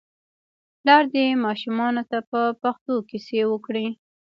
پلار دې ماشومانو ته په پښتو کیسې وکړي.